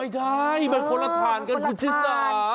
ไม่ได้เป็นคนละถ่านกันพุทธศาสตร์